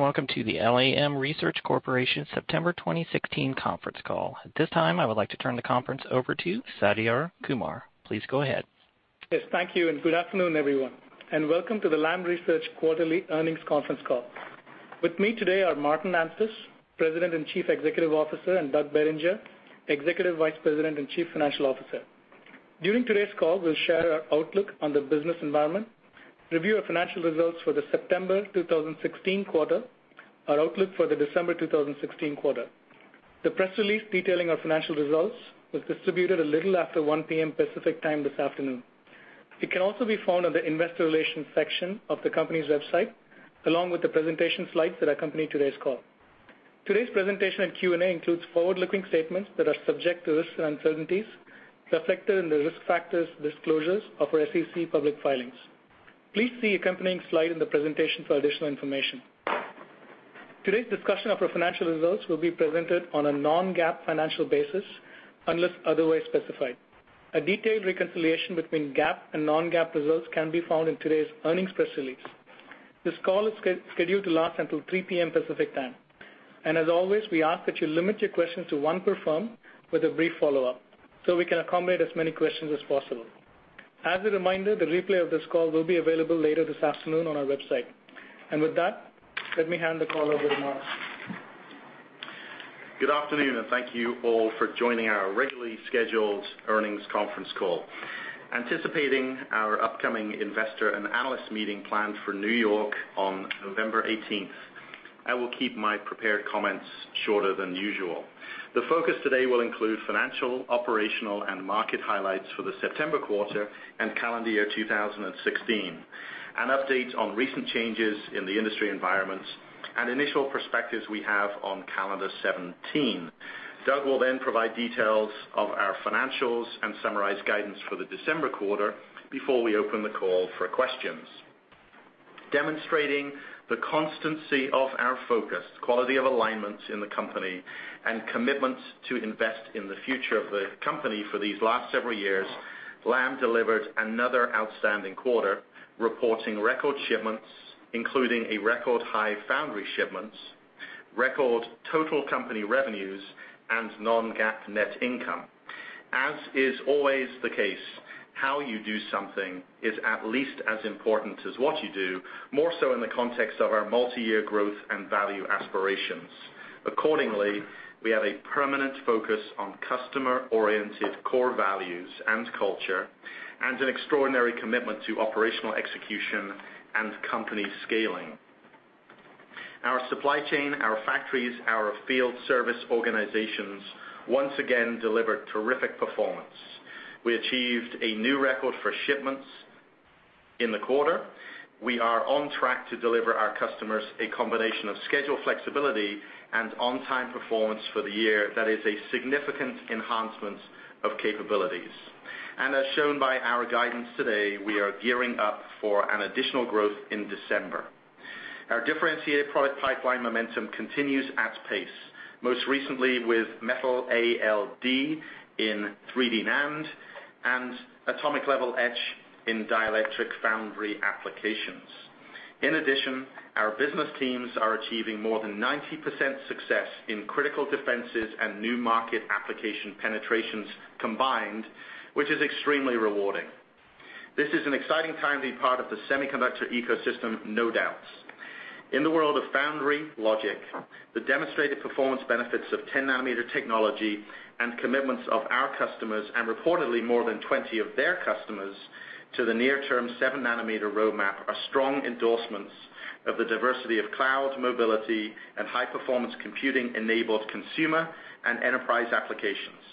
Good day, welcome to the Lam Research Corporation September 2016 conference call. At this time, I would like to turn the conference over to Satya Kumar. Please go ahead. Yes, thank you, good afternoon, everyone, welcome to the Lam Research quarterly earnings conference call. With me today are Martin Anstice, President and Chief Executive Officer, and Doug Bettinger, Executive Vice President and Chief Financial Officer. During today's call, we'll share our outlook on the business environment, review our financial results for the September 2016 quarter, our outlook for the December 2016 quarter. The press release detailing our financial results was distributed a little after 1:00 P.M. Pacific Time this afternoon. It can also be found on the investor relations section of the company's website, along with the presentation slides that accompany today's call. Today's presentation and Q&A includes forward-looking statements that are subject to risks and uncertainties reflected in the risk factors disclosures of our SEC public filings. Please see accompanying slide in the presentation for additional information. Today's discussion of our financial results will be presented on a non-GAAP financial basis unless otherwise specified. A detailed reconciliation between GAAP and non-GAAP results can be found in today's earnings press release. This call is scheduled to last until 3:00 P.M. Pacific Time. As always, we ask that you limit your questions to one per firm with a brief follow-up so we can accommodate as many questions as possible. As a reminder, the replay of this call will be available later this afternoon on our website. With that, let me hand the call over to Martin. Good afternoon, thank you all for joining our regularly scheduled earnings conference call. Anticipating our upcoming investor and analyst meeting planned for New York on November 18th, I will keep my prepared comments shorter than usual. The focus today will include financial, operational, and market highlights for the September quarter and calendar year 2016, updates on recent changes in the industry environments, initial perspectives we have on calendar 2017. Doug will provide details of our financials and summarize guidance for the December quarter before we open the call for questions. Demonstrating the constancy of our focus, quality of alignments in the company, and commitment to invest in the future of the company for these last several years, Lam delivered another outstanding quarter, reporting record shipments, including a record-high foundry shipments, record total company revenues, and non-GAAP net income. As is always the case, how you do something is at least as important as what you do, more so in the context of our multi-year growth and value aspirations. Accordingly, we have a permanent focus on customer-oriented core values and culture, an extraordinary commitment to operational execution and company scaling. Our supply chain, our factories, our field service organizations once again delivered terrific performance. We achieved a new record for shipments in the quarter. We are on track to deliver our customers a combination of schedule flexibility and on-time performance for the year that is a significant enhancement of capabilities. As shown by our guidance today, we are gearing up for an additional growth in December. Our differentiated product pipeline momentum continues at pace, most recently with metal ALD in 3D NAND and atomic layer etch in dielectric foundry applications. In addition, our business teams are achieving more than 90% success in critical defenses and new market application penetrations combined, which is extremely rewarding. This is an exciting time to be part of the semiconductor ecosystem, no doubts. In the world of foundry logic, the demonstrated performance benefits of 10 nanometer technology and commitments of our customers, reportedly more than 20 of their customers to the near term seven nanometer roadmap are strong endorsements of the diversity of cloud mobility and high-performance computing-enabled consumer and enterprise applications.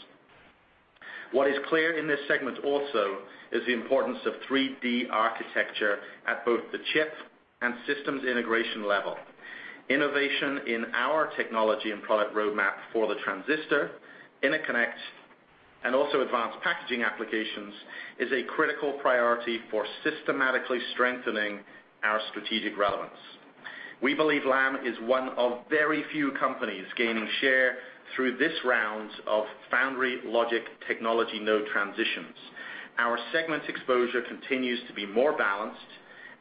What is clear in this segment also is the importance of 3D architecture at both the chip and systems integration level. Innovation in our technology and product roadmap for the transistor interconnect, also advanced packaging applications, is a critical priority for systematically strengthening our strategic relevance. We believe Lam is one of very few companies gaining share through this round of foundry logic technology node transitions. Our segment exposure continues to be more balanced,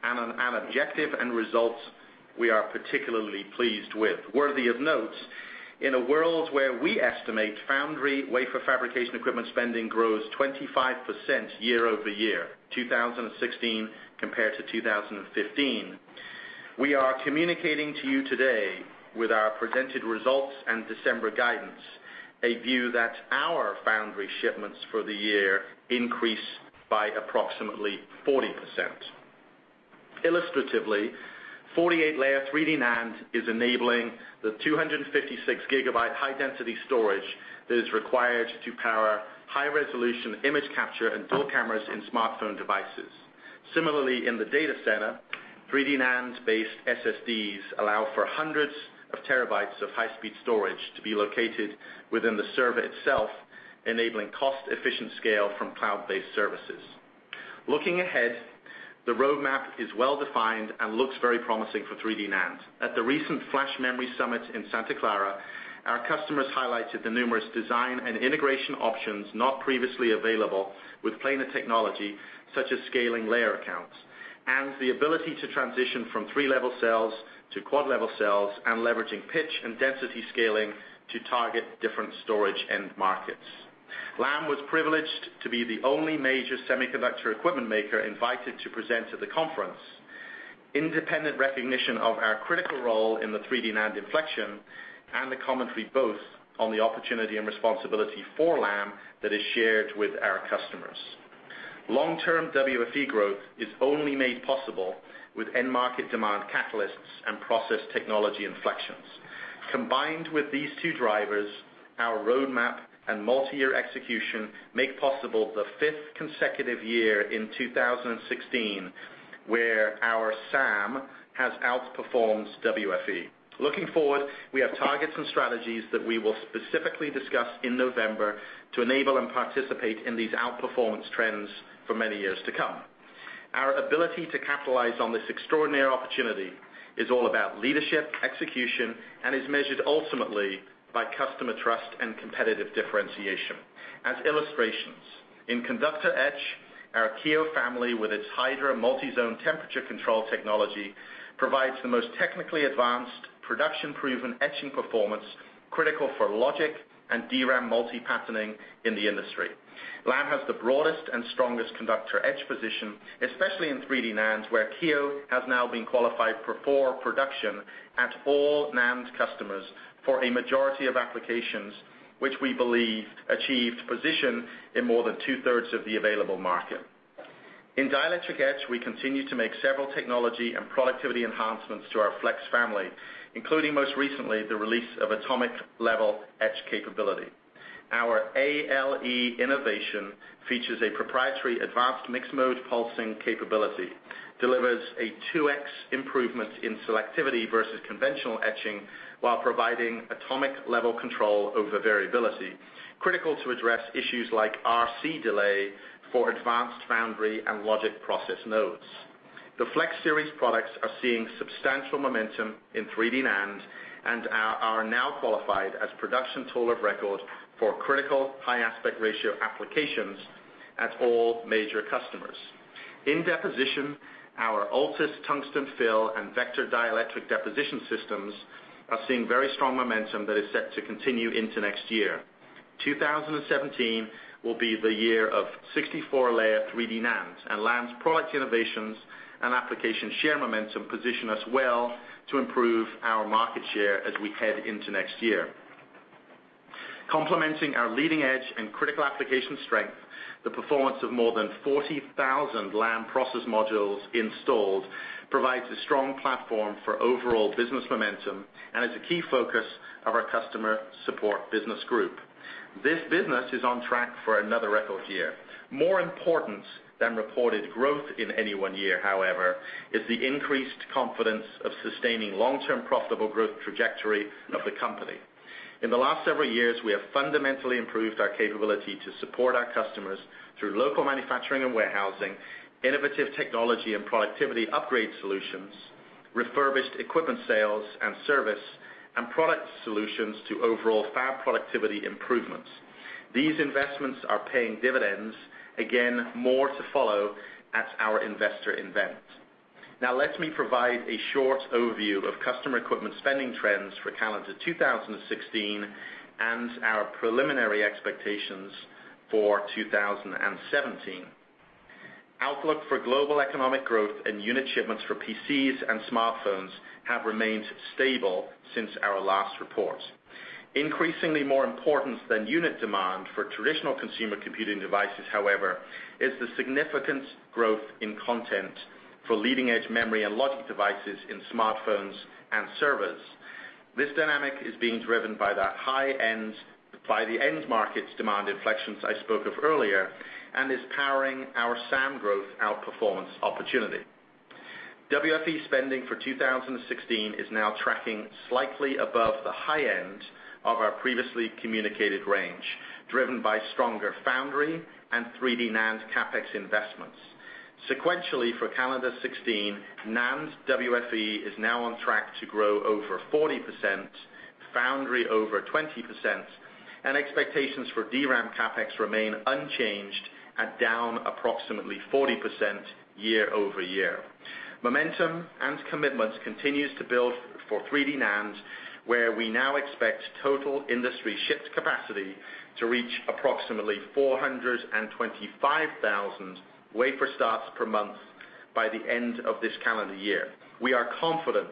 on objective and results we are particularly pleased with. Worthy of note, in a world where we estimate foundry wafer fabrication equipment spending grows 25% year-over-year, 2016 compared to 2015, we are communicating to you today with our presented results and December guidance a view that our foundry shipments for the year increased by approximately 40%. Illustratively, 48-layer 3D NAND is enabling the 256 gigabyte high density storage that is required to power high resolution image capture and dual cameras in smartphone devices. Similarly, in the data center, 3D NAND-based SSDs allow for hundreds of terabytes of high-speed storage to be located within the server itself, enabling cost-efficient scale from cloud-based services. Looking ahead, the roadmap is well-defined and looks very promising for 3D NAND. At the recent Flash Memory Summit in Santa Clara, our customers highlighted the numerous design and integration options not previously available with planar technology such as scaling layer counts. The ability to transition from triple-level cells to quad-level cells, leveraging pitch and density scaling to target different storage end markets. Lam was privileged to be the only major semiconductor equipment maker invited to present to the conference. Independent recognition of our critical role in the 3D NAND inflection and the commentary both on the opportunity and responsibility for Lam that is shared with our customers. Long-term WFE growth is only made possible with end market demand catalysts and process technology inflections. Combined with these two drivers, our roadmap and multi-year execution make possible the fifth consecutive year in 2016, where our SAM has outperformed WFE. Looking forward, we have targets and strategies that we will specifically discuss in November to enable and participate in these outperformance trends for many years to come. Our ability to capitalize on this extraordinary opportunity is all about leadership, execution, and is measured ultimately by customer trust and competitive differentiation. As illustrations, in conductor etch, our Kiyo family with its Hydra multi-zone temperature control technology provides the most technically advanced, production-proven etching performance, critical for logic and DRAM multi-patterning in the industry. Lam has the broadest and strongest conductor etch position, especially in 3D NAND, where Kiyo has now been qualified for production at all NAND customers for a majority of applications, which we believe achieved position in more than two-thirds of the available market. In dielectric etch, we continue to make several technology and productivity enhancements to our Flex family, including most recently, the release of atomic layer etch capability. Our ALE innovation features a proprietary Advanced Mixed Mode Pulsing capability, delivers a 2x improvement in selectivity versus conventional etching, while providing atomic level control over variability, critical to address issues like RC delay for advanced foundry and logic process nodes. The Flex series products are seeing substantial momentum in 3D NAND and are now qualified as production tool of record for critical high aspect ratio applications at all major customers. In deposition, our ALTUS tungsten fill and VECTOR dielectric deposition systems are seeing very strong momentum that is set to continue into next year. 2017 will be the year of 64-layer 3D NAND, Lam's product innovations and application share momentum position us well to improve our market share as we head into next year. Complementing our leading edge and critical application strength, the performance of more than 40,000 Lam process modules installed provides a strong platform for overall business momentum and is a key focus of our customer support business group. This business is on track for another record year. More important than reported growth in any one year, however, is the increased confidence of sustaining long-term profitable growth trajectory of the company. In the last several years, we have fundamentally improved our capability to support our customers through local manufacturing and warehousing, innovative technology and productivity upgrade solutions, refurbished equipment sales and service, and product solutions to overall fab productivity improvements. These investments are paying dividends. Again, more to follow at our investor event. Now let me provide a short overview of customer equipment spending trends for calendar 2016 and our preliminary expectations for 2017. Outlook for global economic growth and unit shipments for PCs and smartphones have remained stable since our last report. Increasingly more important than unit demand for traditional consumer computing devices, however, is the significant growth in content for leading-edge memory and logic devices in smartphones and servers. This dynamic is being driven by the end markets demand inflections I spoke of earlier, is powering our sound growth outperformance opportunity. WFE spending for 2016 is now tracking slightly above the high end of our previously communicated range, driven by stronger foundry and 3D NAND CapEx investments. Sequentially for calendar 2016, NAND WFE is now on track to grow over 40%, foundry over 20%, and expectations for DRAM CapEx remain unchanged at down approximately 40% year-over-year. Momentum and commitments continues to build for 3D NAND, where we now expect total industry shipped capacity to reach approximately 425,000 wafer starts per month by the end of this calendar year. We are confident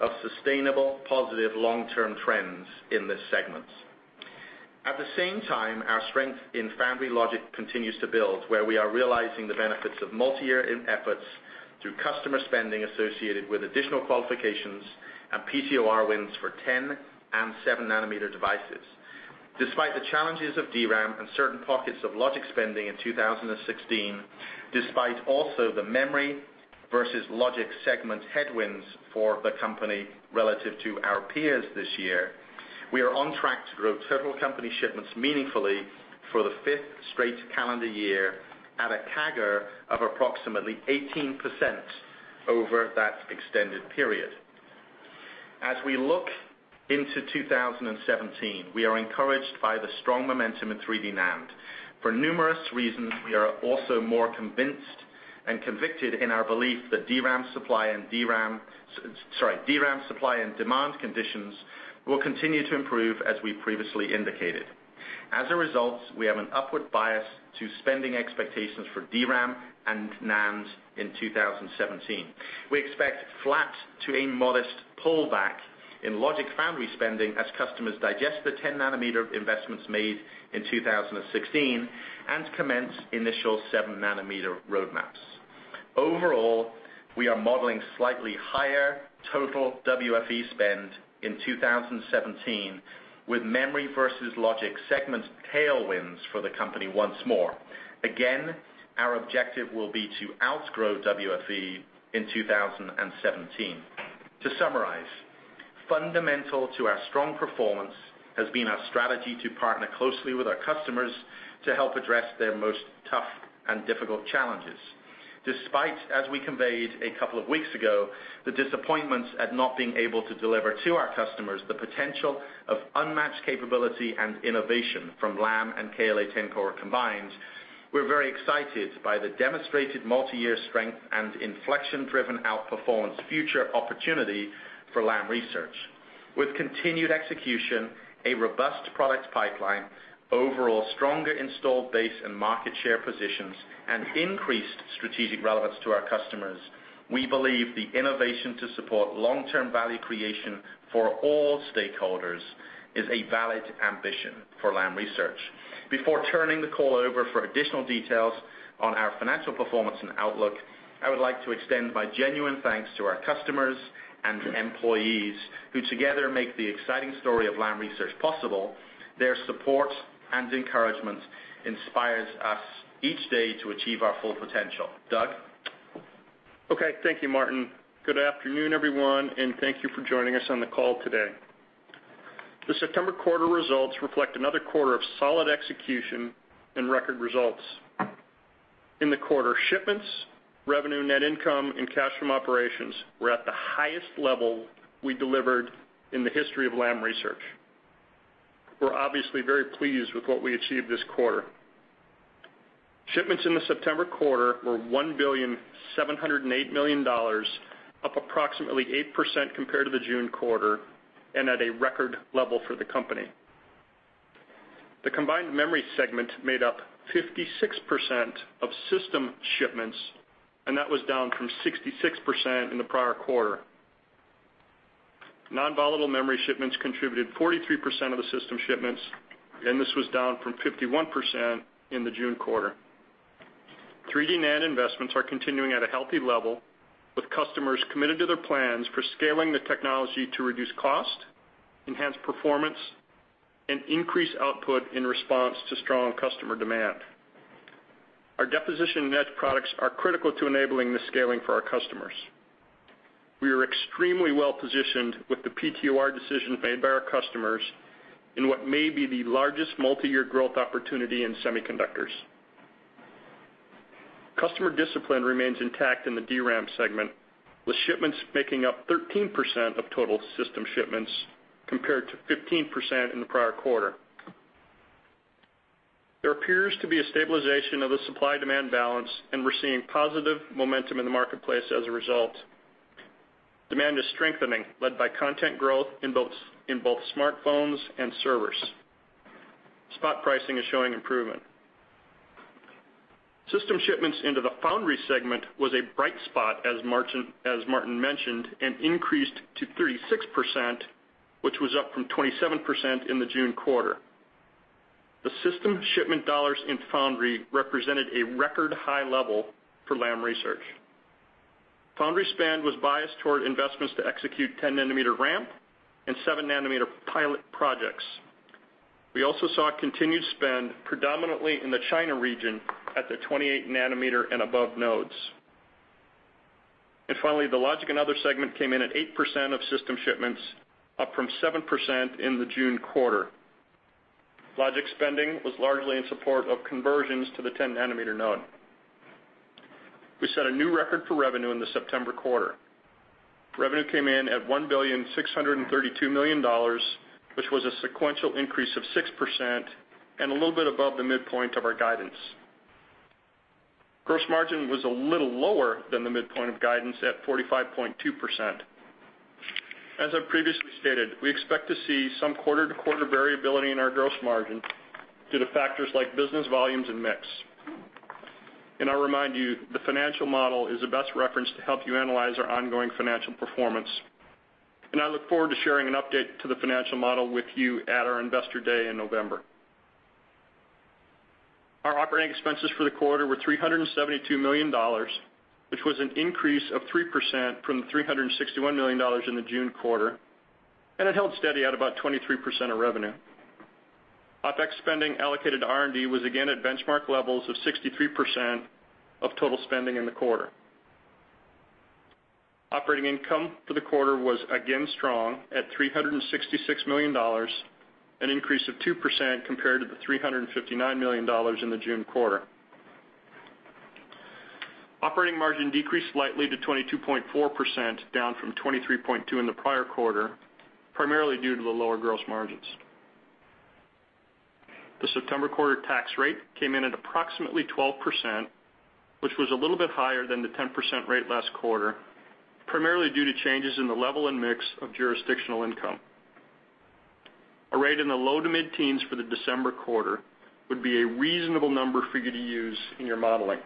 of sustainable, positive long-term trends in this segment. At the same time, our strength in foundry logic continues to build, where we are realizing the benefits of multi-year efforts through customer spending associated with additional qualifications and PTOR wins for 10 and 7 nanometer devices. Despite the challenges of DRAM and certain pockets of logic spending in 2016, despite also the memory versus logic segment headwinds for the company relative to our peers this year, we are on track to grow several company shipments meaningfully for the fifth straight calendar year at a CAGR of approximately 18% over that extended period. As we look into 2017, we are encouraged by the strong momentum in 3D NAND. For numerous reasons, we are also more convinced and convicted in our belief that DRAM supply and demand conditions will continue to improve as we previously indicated. As a result, we have an upward bias to spending expectations for DRAM and NAND in 2017. We expect flat to a modest pullback in logic foundry spending as customers digest the 10 nanometer investments made in 2016, and commence initial 7 nanometer roadmaps. Overall, we are modeling slightly higher total WFE spend in 2017 with memory versus logic segment tailwinds for the company once more. Our objective will be to outgrow WFE in 2017. To summarize, fundamental to our strong performance has been our strategy to partner closely with our customers to help address their most tough and difficult challenges. Despite, as we conveyed a couple of weeks ago, the disappointments at not being able to deliver to our customers the potential of unmatched capability and innovation from Lam and KLA-Tencor combined, we're very excited by the demonstrated multi-year strength and inflection-driven outperformance future opportunity for Lam Research. With continued execution, a robust product pipeline, overall stronger installed base and market share positions, and increased strategic relevance to our customers, we believe the innovation to support long-term value creation for all stakeholders is a valid ambition for Lam Research. Before turning the call over for additional details on our financial performance and outlook, I would like to extend my genuine thanks to our customers and employees, who together make the exciting story of Lam Research possible. Their support and encouragement inspires us each day to achieve our full potential. Doug? Okay. Thank you, Martin. Good afternoon, everyone, and thank you for joining us on the call today. The September quarter results reflect another quarter of solid execution and record results. In the quarter, shipments, revenue, net income, and cash from operations were at the highest level we delivered in the history of Lam Research. We are obviously very pleased with what we achieved this quarter. Shipments in the September quarter were $1,708 million, up approximately 8% compared to the June quarter, and at a record level for the company. The combined memory segment made up 56% of system shipments, and that was down from 66% in the prior quarter. Non-volatile memory shipments contributed 43% of the system shipments, and this was down from 51% in the June quarter. 3D NAND investments are continuing at a healthy level, with customers committed to their plans for scaling the technology to reduce cost, enhance performance, and increase output in response to strong customer demand. Our deposition and etch products are critical to enabling the scaling for our customers. We are extremely well-positioned with the PTOR decisions made by our customers in what may be the largest multi-year growth opportunity in semiconductors. Customer discipline remains intact in the DRAM segment, with shipments making up 13% of total system shipments, compared to 15% in the prior quarter. There appears to be a stabilization of the supply-demand balance, and we are seeing positive momentum in the marketplace as a result. Demand is strengthening, led by content growth in both smartphones and servers. Spot pricing is showing improvement. System shipments into the foundry segment was a bright spot, as Martin mentioned, and increased to 36%, which was up from 27% in the June quarter. The system shipment dollars in foundry represented a record high level for Lam Research. Foundry spend was biased toward investments to execute 10-nanometer ramp and 7-nanometer pilot projects. We also saw continued spend predominantly in the China region at the 28-nanometer and above nodes. Finally, the logic and other segment came in at 8% of system shipments, up from 7% in the June quarter. Logic spending was largely in support of conversions to the 10-nanometer node. We set a new record for revenue in the September quarter. Revenue came in at $1,632 million, which was a sequential increase of 6% and a little bit above the midpoint of our guidance. Gross margin was a little lower than the midpoint of guidance at 45.2%. As I previously stated, we expect to see some quarter-to-quarter variability in our gross margin due to factors like business volumes and mix. I'll remind you, the financial model is the best reference to help you analyze our ongoing financial performance. I look forward to sharing an update to the financial model with you at our investor day in November. Our operating expenses for the quarter were $372 million, which was an increase of 3% from the $361 million in the June quarter, and it held steady at about 23% of revenue. OpEx spending allocated to R&D was again at benchmark levels of 63% of total spending in the quarter. Operating income for the quarter was again strong at $366 million, an increase of 2% compared to the $359 million in the June quarter. Operating margin decreased slightly to 22.4%, down from 23.2% in the prior quarter, primarily due to the lower gross margins. The September quarter tax rate came in at approximately 12%, which was a little bit higher than the 10% rate last quarter, primarily due to changes in the level and mix of jurisdictional income. A rate in the low to mid-teens for the December quarter would be a reasonable number for you to use in your modeling.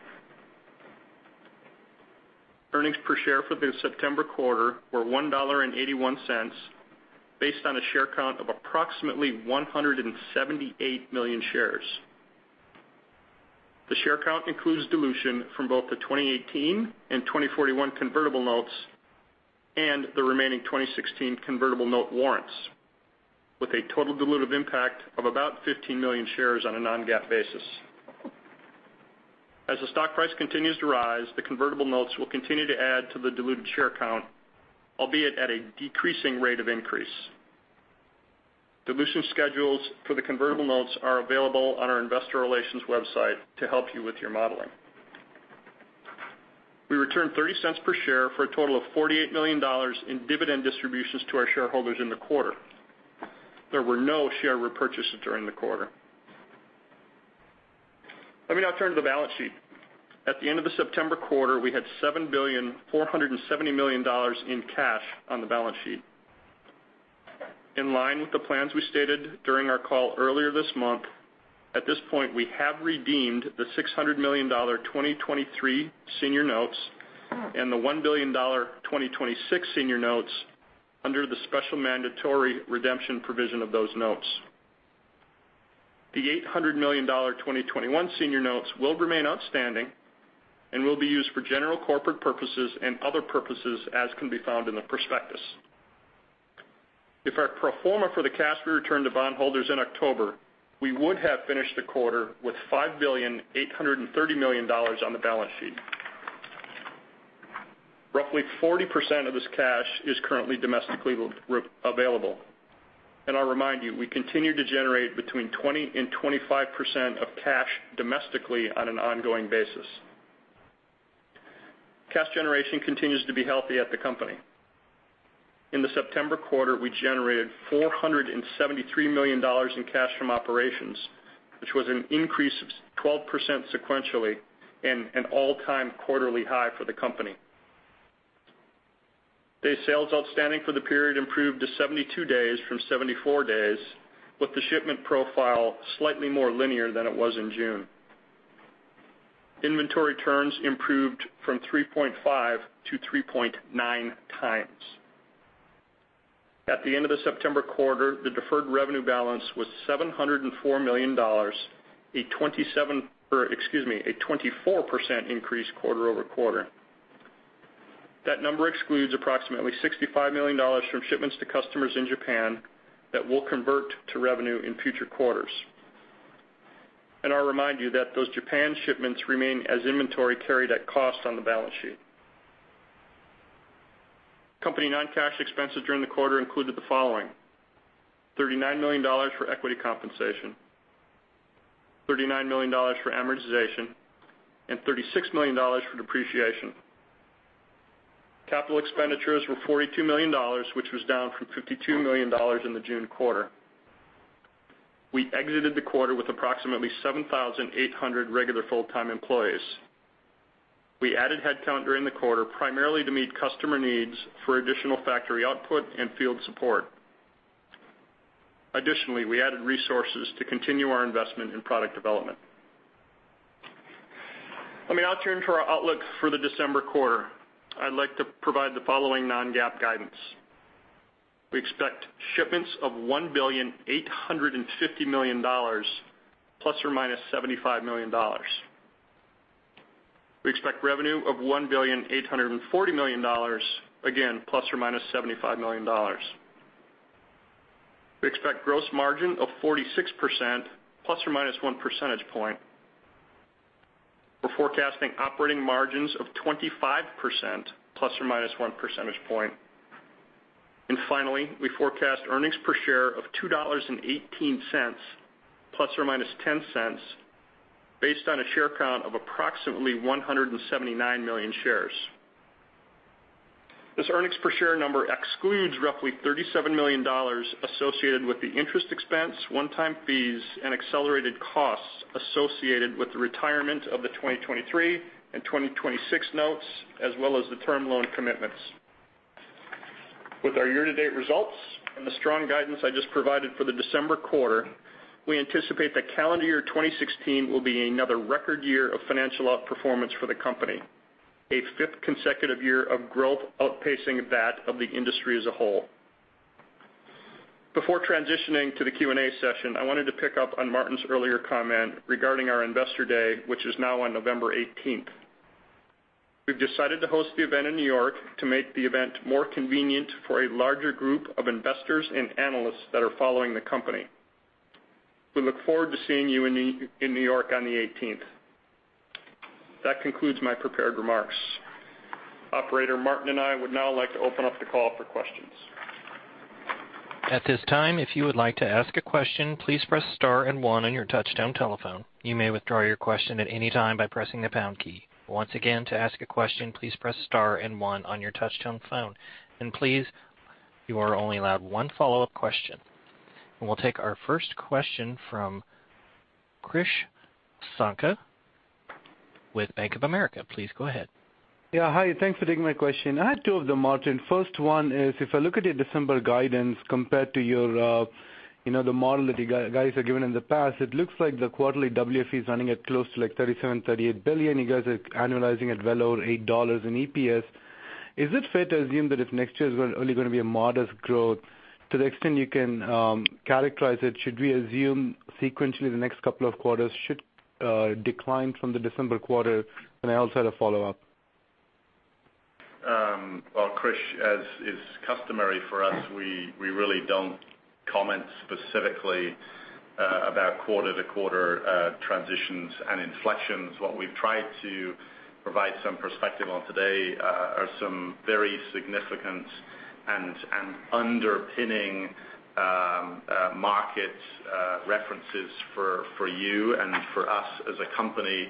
Earnings per share for the September quarter were $1.81, based on a share count of approximately 178 million shares. The share count includes dilution from both the 2018 and 2041 convertible notes and the remaining 2016 convertible note warrants, with a total dilutive impact of about 15 million shares on a non-GAAP basis. As the stock price continues to rise, the convertible notes will continue to add to the diluted share count, albeit at a decreasing rate of increase. Dilution schedules for the convertible notes are available on our investor relations website to help you with your modeling. We returned $0.30 per share for a total of $48 million in dividend distributions to our shareholders in the quarter. There were no share repurchases during the quarter. Let me now turn to the balance sheet. At the end of the September quarter, we had $7.47 billion in cash on the balance sheet. In line with the plans we stated during our call earlier this month, at this point, we have redeemed the $600 million 2023 senior notes and the $1 billion 2026 senior notes under the special mandatory redemption provision of those notes. The $800 million 2021 senior notes will remain outstanding and will be used for general corporate purposes and other purposes as can be found in the prospectus. If our pro forma for the cash we returned to bondholders in October, we would have finished the quarter with $5.83 billion on the balance sheet. Roughly 40% of this cash is currently domestically available. I'll remind you, we continue to generate between 20%-25% of cash domestically on an ongoing basis. Cash generation continues to be healthy at the company. In the September quarter, we generated $473 million in cash from operations, which was an increase of 12% sequentially and an all-time quarterly high for the company. Day sales outstanding for the period improved to 72 days from 74 days, with the shipment profile slightly more linear than it was in June. Inventory turns improved from 3.5 to 3.9 times. At the end of the September quarter, the deferred revenue balance was $704 million, a 24% increase quarter-over-quarter. That number excludes approximately $65 million from shipments to customers in Japan that will convert to revenue in future quarters. I'll remind you that those Japan shipments remain as inventory carried at cost on the balance sheet. Company non-cash expenses during the quarter included the following: $39 million for equity compensation, $39 million for amortization, and $36 million for depreciation. Capital expenditures were $42 million, which was down from $52 million in the June quarter. We exited the quarter with approximately 7,800 regular full-time employees. We added headcount during the quarter, primarily to meet customer needs for additional factory output and field support. Additionally, we added resources to continue our investment in product development. Let me now turn to our outlook for the December quarter. I'd like to provide the following non-GAAP guidance. We expect shipments of $1.85 billion, ±$75 million. We expect revenue of $1.84 billion, again, ±$75 million. We expect gross margin of 46%, ±one percentage point. We're forecasting operating margins of 25%, ±one percentage point. Finally, we forecast earnings per share of $2.18, ±$0.10, based on a share count of approximately 179 million shares. This earnings per share number excludes roughly $37 million associated with the interest expense, one-time fees, and accelerated costs associated with the retirement of the 2023 and 2026 notes, as well as the term loan commitments. With our year-to-date results and the strong guidance I just provided for the December quarter, we anticipate that calendar year 2016 will be another record year of financial outperformance for the company, a fifth consecutive year of growth outpacing that of the industry as a whole. Before transitioning to the Q&A session, I wanted to pick up on Martin's earlier comment regarding our Investor Day, which is now on November 18th. We've decided to host the event in New York to make the event more convenient for a larger group of investors and analysts that are following the company. We look forward to seeing you in New York on the 18th. That concludes my prepared remarks. Operator, Martin and I would now like to open up the call for questions. At this time, if you would like to ask a question, please press star and one on your touchtone telephone. You may withdraw your question at any time by pressing the pound key. Once again, to ask a question, please press star and one on your touchtone phone. Please, you are only allowed one follow-up question. We'll take our first question from Krish Sankar with Bank of America. Please go ahead. Yeah. Hi, thanks for taking my question. I have two of them, Martin. First one is, if I look at your December guidance compared to the model that you guys have given in the past, it looks like the quarterly WFE is running at close to like $37 billion-$38 billion. You guys are annualizing at well over $8 in EPS. Is it fair to assume that if next year is only going to be a modest growth, to the extent you can characterize it, should we assume sequentially the next couple of quarters should decline from the December quarter? I also had a follow-up. Well, Krish, as is customary for us, we really don't comment specifically about quarter-to-quarter transitions and inflections. What we've tried to provide some perspective on today are some very significant and underpinning market references for you and for us as a company.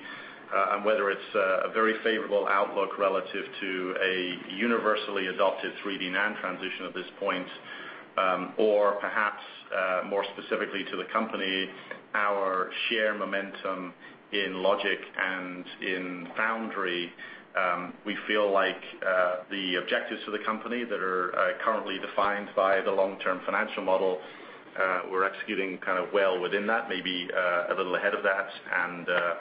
Whether it's a very favorable outlook relative to a universally adopted 3D NAND transition at this point. Perhaps, more specifically to the company, our share momentum in logic and in foundry, we feel like the objectives for the company that are currently defined by the long-term financial model, we're executing well within that, maybe a little ahead of that.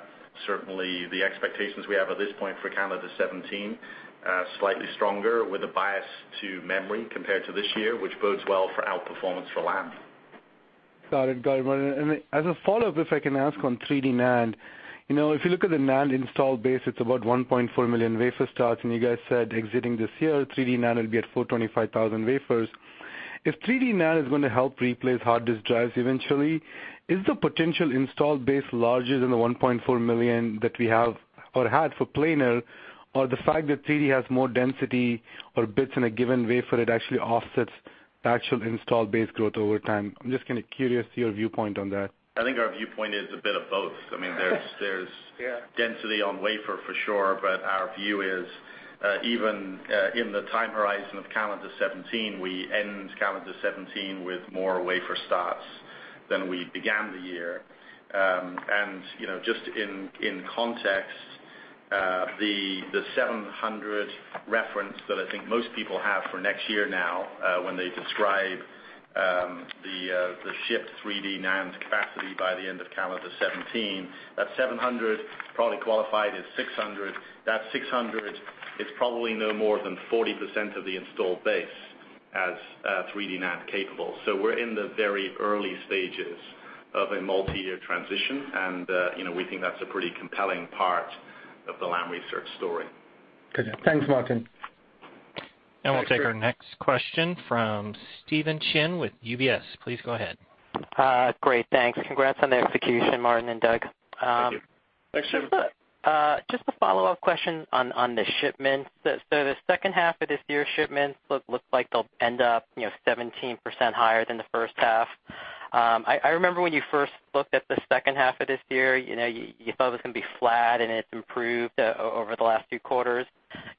Certainly, the expectations we have at this point for calendar 2017 are slightly stronger with a bias to memory compared to this year, which bodes well for outperformance for Lam. Got it. As a follow-up, if I can ask on 3D NAND. If you look at the NAND install base, it's about 1.4 million wafer starts, and you guys said exiting this year, 3D NAND will be at 425,000 wafers. If 3D NAND is going to help replace hard disk drives eventually, is the potential installed base larger than the 1.4 million that we have or had for planar? The fact that 3D has more density or bits in a given wafer that actually offsets the actual install base growth over time. I'm just curious to your viewpoint on that. I think our viewpoint is a bit of both. Yeah density on wafer for sure. Our view is, even in the time horizon of calendar 2017, we end calendar 2017 with more wafer starts than we began the year. Just in context, the 700 reference that I think most people have for next year now, when they describe the shipped 3D NAND capacity by the end of calendar 2017, that 700 product qualified is 600. That 600 is probably no more than 40% of the installed base as 3D NAND capable. We're in the very early stages of a multi-year transition, we think that's a pretty compelling part of the Lam Research story. Good. Thanks, Martin. We'll take our next question from Stephen Chin with UBS. Please go ahead. Great, thanks. Congrats on the execution, Martin and Doug. Thank you. Thanks, Stephen. Just a follow-up question on the shipments. The second half of this year's shipments look like they will end up 17% higher than the first half. I remember when you first looked at the second half of this year, you thought it was going to be flat and it has improved over the last few quarters.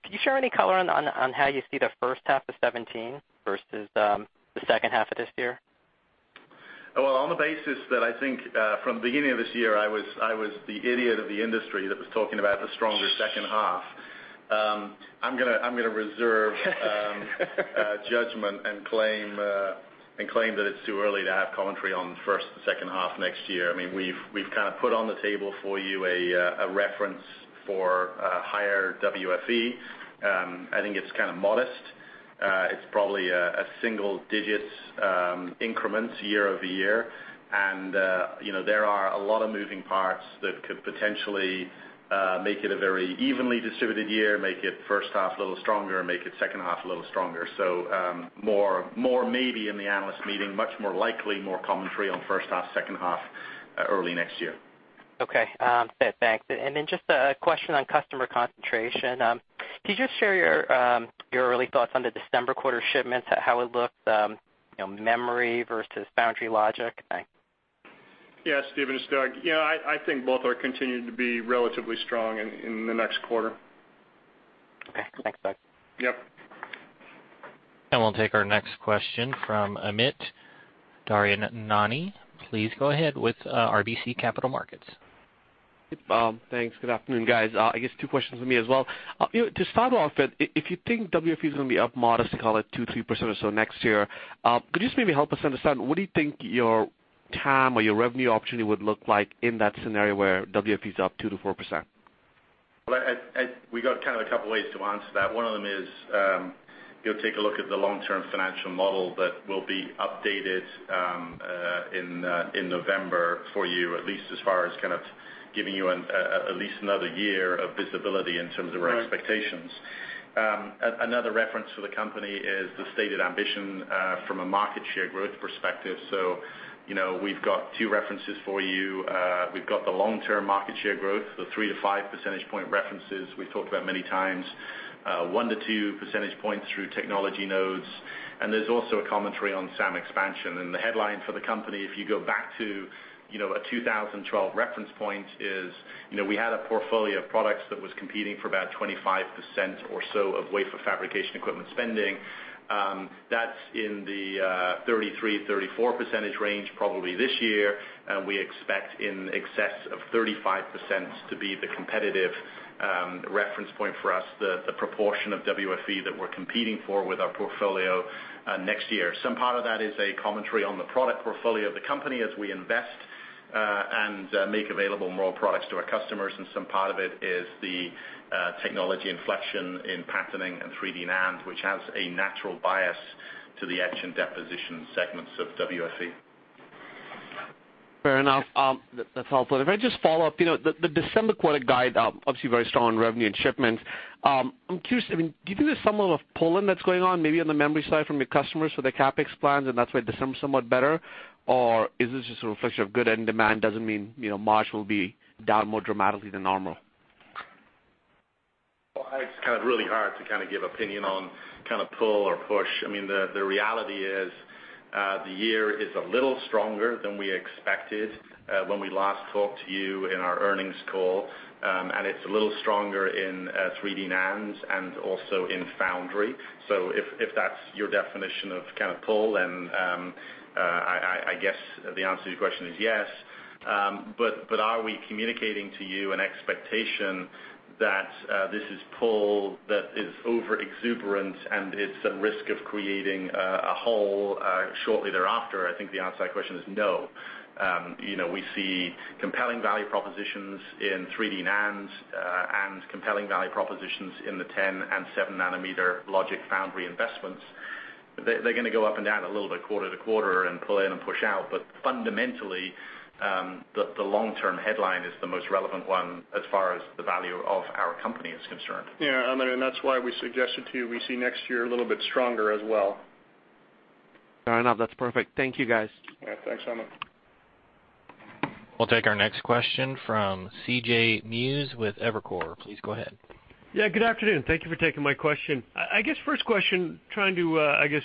Can you share any color on how you see the first half of 2017 versus the second half of this year? Well, on the basis that I think from beginning of this year, I was the idiot of the industry that was talking about the stronger second half. I am going to reserve judgment and claim that it is too early to have commentary on the first and second half next year. We have kind of put on the table for you a reference for higher WFE. I think it is kind of modest. It is probably a single-digit increments year-over-year. There are a lot of moving parts that could potentially make it a very evenly distributed year, make it first half a little stronger, make it second half a little stronger. More maybe in the analyst meeting, much more likely more commentary on first half, second half early next year. Okay. Thanks. Just a question on customer concentration. Could you share your early thoughts on the December quarter shipments, how it looks, memory versus foundry logic? Thanks. Yeah, Stephen, it's Doug. I think both are continuing to be relatively strong in the next quarter. Okay. Thanks, Doug. Yep. We'll take our next question from Amit Daryanani. Please go ahead with RBC Capital Markets. Thanks. Good afternoon, guys. I guess two questions for me as well. To start off with, if you think WFE is going to be up modestly, call it 2% to 3% or so next year, could you just maybe help us understand what do you think your TAM or your revenue opportunity would look like in that scenario where WFE is up 2% to 4%? We got a couple ways to answer that. One of them is, take a look at the long-term financial model that will be updated in November for you, at least as far as giving you at least another year of visibility in terms of our expectations. Another reference for the company is the stated ambition from a market share growth perspective. We've got two references for you. We've got the long-term market share growth, the 3-5 percentage point references we've talked about many times. 1-2 percentage points through technology nodes, and there's also a commentary on SAM expansion. The headline for the company, if you go back to a 2012 reference point, is we had a portfolio of products that was competing for about 25% or so of wafer fabrication equipment spending. That's in the 33-34% range probably this year, and we expect in excess of 35% to be the competitive reference point for us, the proportion of WFE that we're competing for with our portfolio next year. Some part of that is a commentary on the product portfolio of the company as we invest and make available more products to our customers, and some part of it is the technology inflection in patterning and 3D NAND, which has a natural bias to the etch and deposition segments of WFE. Fair enough. That's helpful. If I just follow up, the December quarter guide, obviously very strong on revenue and shipments. I'm curious, do you think there's somewhat of pull-in that's going on, maybe on the memory side from your customers for the CapEx plans, and that's why December is somewhat better? Or is this just a reflection of good end demand, doesn't mean March will be down more dramatically than normal? It's really hard to give opinion on pull or push. The reality is, the year is a little stronger than we expected when we last talked to you in our earnings call, and it's a little stronger in 3D NANDs and also in foundry. If that's your definition of pull, then I guess the answer to your question is yes. Are we communicating to you an expectation that this is pull that is over-exuberant and it's a risk of creating a hole shortly thereafter? I think the answer to that question is no. We see compelling value propositions in 3D NANDs and compelling value propositions in the 10 and 7 nanometer logic foundry investments. They're going to go up and down a little bit quarter to quarter and pull in and push out. Fundamentally, the long-term headline is the most relevant one as far as the value of our company is concerned. Yeah, Amit, that's why we suggested to you, we see next year a little bit stronger as well. Fair enough. That's perfect. Thank you, guys. Yeah, thanks, Amit. We'll take our next question from CJ Muse with Evercore. Please go ahead. Yeah, good afternoon. Thank you for taking my question. I guess first question, trying to, I guess,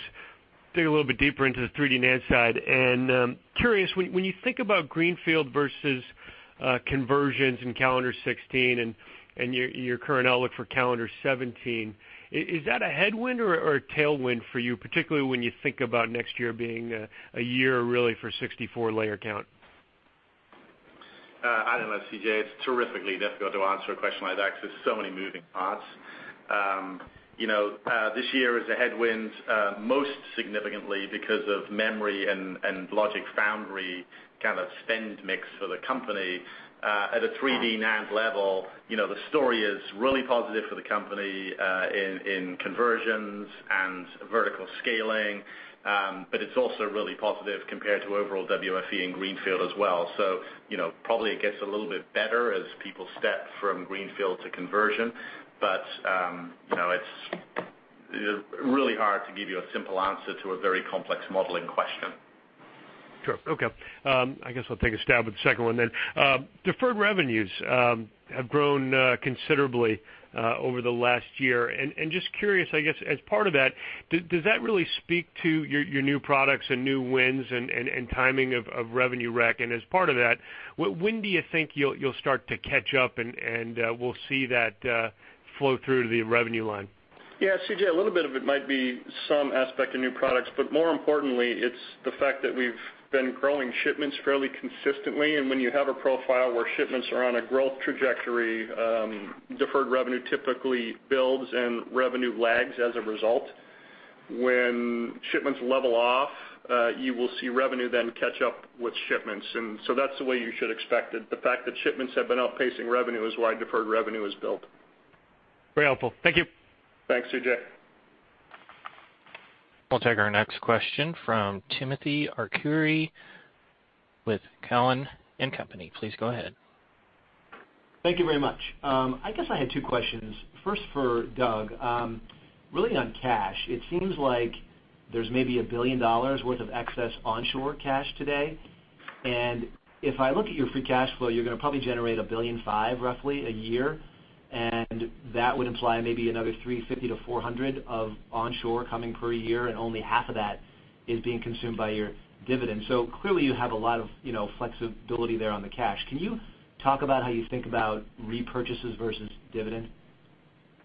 dig a little bit deeper into the 3D NAND side. Curious, when you think about greenfield versus conversions in calendar 2016 and your current outlook for calendar 2017, is that a headwind or a tailwind for you, particularly when you think about next year being a year really for 64 layer count? I don't know, CJ, it's terrifically difficult to answer a question like that because there's so many moving parts. This year is a headwind, most significantly because of memory and logic foundry kind of spend mix for the company. At a 3D NAND level, the story is really positive for the company in conversions and vertical scaling, but it's also really positive compared to overall WFE and greenfield as well. Probably it gets a little bit better as people step from greenfield to conversion, but it's really hard to give you a simple answer to a very complex modeling question. Sure. Okay. I guess I'll take a stab at the second one then. Deferred revenues have grown considerably over the last year. Just curious, I guess as part of that, does that really speak to your new products and new wins and timing of revenue rec? As part of that, when do you think you'll start to catch up and we'll see that flow through to the revenue line? C.J., a little bit of it might be some aspect of new products, but more importantly, it's the fact that we've been growing shipments fairly consistently. When you have a profile where shipments are on a growth trajectory, deferred revenue typically builds and revenue lags as a result. When shipments level off, you will see revenue then catch up with shipments. That's the way you should expect it. The fact that shipments have been outpacing revenue is why deferred revenue is built. Very helpful. Thank you. Thanks, C.J. We'll take our next question from Timothy Arcuri with Cowen and Company. Please go ahead. Thank you very much. I guess I had two questions. First for Doug, really on cash. It seems like there's maybe $1 billion worth of excess onshore cash today, and if I look at your free cash flow, you're going to probably generate $1.5 billion roughly a year, and that would imply maybe another $350 million-$400 million of onshore coming per year, and only half of that is being consumed by your dividends. Clearly, you have a lot of flexibility there on the cash. Can you talk about how you think about repurchases versus dividends?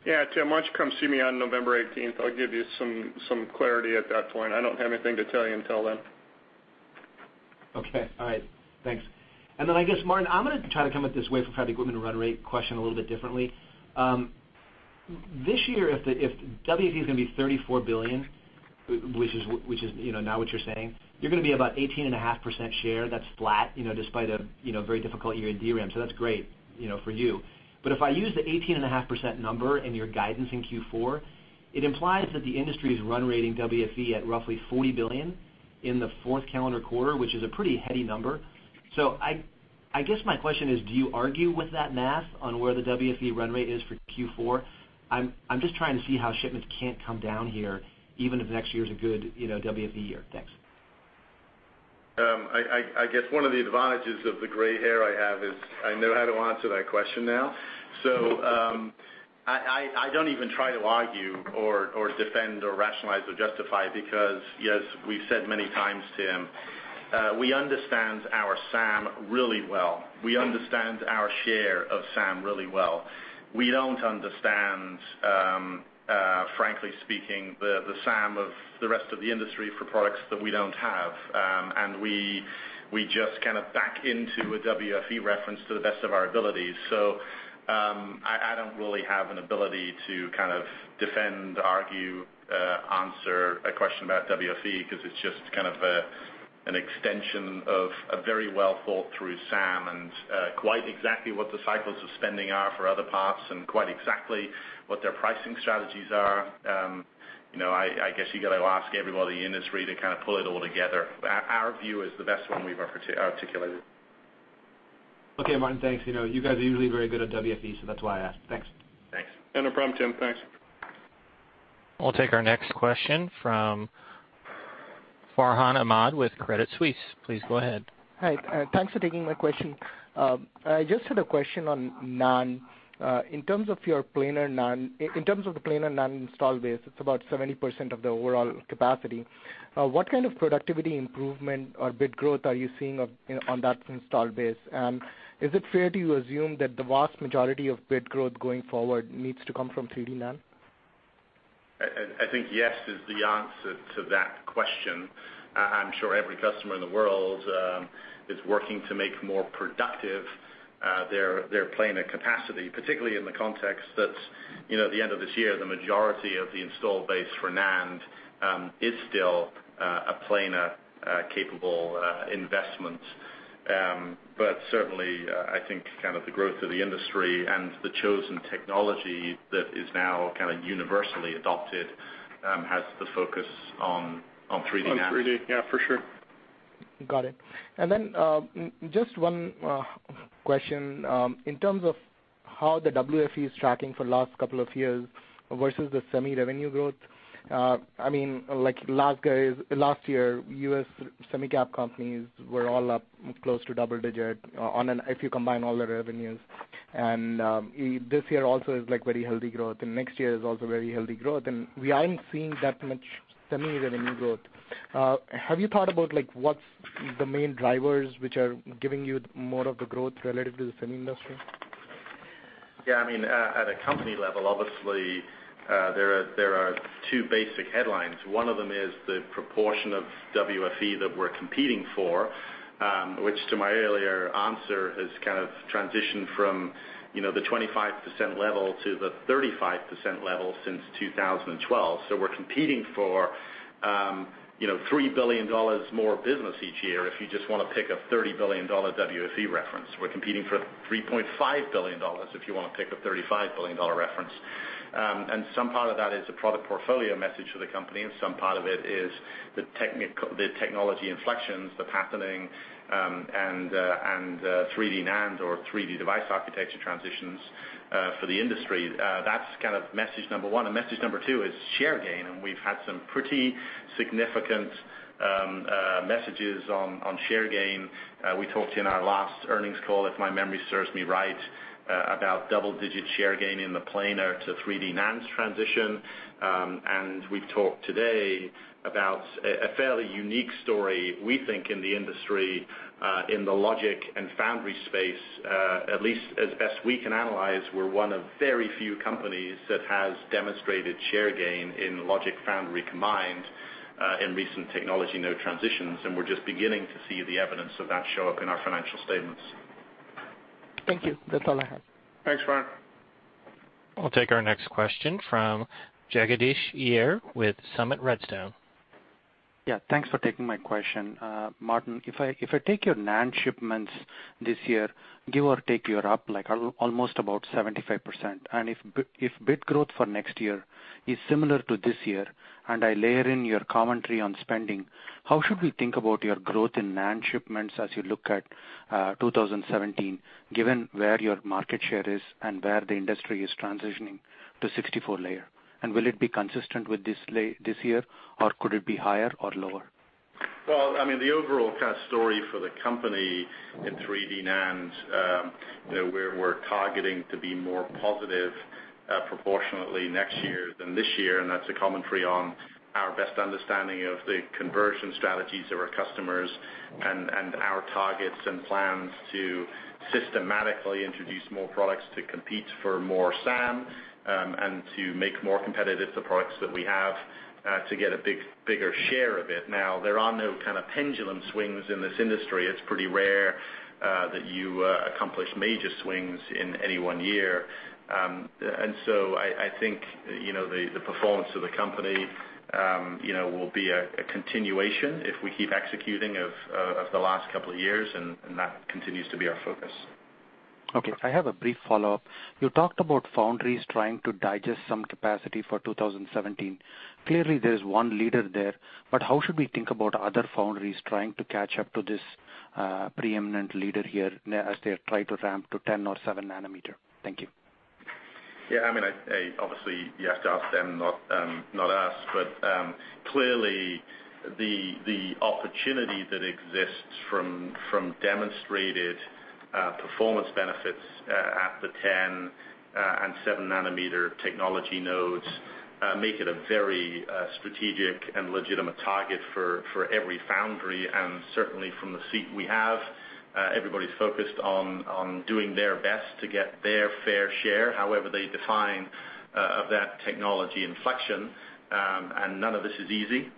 Yeah, Tim, why don't you come see me on November 18th? I'll give you some clarity at that point. I don't have anything to tell you until then. Okay. All right. Thanks. I guess, Martin, I'm going to try to come at this wafer fabrication equipment run rate question a little bit differently. This year, if WFE is going to be $34 billion, which is now what you're saying, you're going to be about 18.5% share, that's flat, despite a very difficult year in DRAM. That's great for you. If I use the 18.5% number in your guidance in Q4, it implies that the industry is run rating WFE at roughly $40 billion in the fourth calendar quarter, which is a pretty heady number. I guess my question is, do you argue with that math on where the WFE run rate is for Q4? I'm just trying to see how shipments can't come down here, even if next year is a good WFE year. Thanks. I guess one of the advantages of the gray hair I have is I know how to answer that question now. I don't even try to argue or defend or rationalize or justify because as we've said many times, Tim, we understand our SAM really well. We understand our share of SAM really well. We don't understand, frankly speaking, the SAM of the rest of the industry for products that we don't have. We just kind of back into a WFE reference to the best of our abilities. I don't really have an ability to defend, argue, answer a question about WFE because it's just kind of an extension of a very well-thought-through SAM and quite exactly what the cycles of spending are for other parts and quite exactly what their pricing strategies are. I guess you got to ask everybody in the industry to kind of pull it all together. Our view is the best one we've articulated. Okay, Martin. Thanks. You guys are usually very good at WFE, that's why I asked. Thanks. Thanks. No problem, Tim. Thanks. We'll take our next question from Farhan Ahmad with Credit Suisse. Please go ahead. Hi. Thanks for taking my question. I just had a question on NAND. In terms of the planar NAND install base, it's about 70% of the overall capacity. What kind of productivity improvement or bit growth are you seeing on that install base? Is it fair to assume that the vast majority of bit growth going forward needs to come from 3D NAND? I think yes is the answer to that question. I'm sure every customer in the world is working to make more productive their planar capacity, particularly in the context that at the end of this year, the majority of the install base for NAND is still a planar-capable investment. Certainly, I think the growth of the industry and the chosen technology that is now kind of universally adopted, has the focus on 3D NAND. On 3D, yeah, for sure. Got it. Just one question. In terms of how the WFE is tracking for last couple of years versus the semi revenue growth, last year, U.S. semi cap companies were all up close to double-digit if you combine all the revenues. This year also is very healthy growth, and next year is also very healthy growth, and we aren't seeing that much semi revenue growth. Have you thought about what's the main drivers which are giving you more of the growth relative to the semi industry? At a company level, obviously, there are two basic headlines. One of them is the proportion of WFE that we're competing for, which to my earlier answer, has kind of transitioned from the 25% level to the 35% level since 2012. We're competing for $3 billion more business each year, if you just want to pick a $30 billion WFE reference. We're competing for $3.5 billion if you want to pick a $35 billion reference. Some part of that is a product portfolio message for the company, and some part of it is the technology inflections, the patterning, and 3D NAND or 3D device architecture transitions for the industry. That's message number one, and message number two is share gain, and we've had some pretty significant messages on share gain. We talked in our last earnings call, if my memory serves me right, about double-digit share gain in the planar to 3D NAND transition. We've talked today about a fairly unique story, we think, in the industry, in the logic and foundry space. At least as best we can analyze, we're one of very few companies that has demonstrated share gain in logic foundry combined, in recent technology node transitions, and we're just beginning to see the evidence of that show up in our financial statements. Thank you. That's all I have. Thanks, Farhan. We'll take our next question from Jagadish Iyer with Summit Redstone. Yeah, thanks for taking my question. Martin, if I take your NAND shipments this year, give or take, you're up almost about 75%. If bit growth for next year is similar to this year, and I layer in your commentary on spending, how should we think about your growth in NAND shipments as you look at 2017, given where your market share is and where the industry is transitioning to 64 layer? Will it be consistent with this year, or could it be higher or lower? Well, the overall story for the company in 3D NAND, we're targeting to be more positive proportionately next year than this year, and that's a commentary on our best understanding of the conversion strategies of our customers and our targets and plans to systematically introduce more products to compete for more SAM, and to make more competitive the products that we have to get a bigger share of it. Now, there are no kind of pendulum swings in this industry. It's pretty rare that you accomplish major swings in any one year. So I think the performance of the company will be a continuation, if we keep executing, of the last couple of years, and that continues to be our focus. Okay, I have a brief follow-up. You talked about foundries trying to digest some capacity for 2017. Clearly, there's one leader there, but how should we think about other foundries trying to catch up to this preeminent leader here as they try to ramp to 10 or seven nanometer? Thank you. Yeah. Obviously, you have to ask them, not us. Clearly, the opportunity that exists from demonstrated performance benefits at the 10 and seven nanometer technology nodes, make it a very strategic and legitimate target for every foundry. Certainly from the seat we have, everybody's focused on doing their best to get their fair share, however they define that technology inflection, and none of this is easy.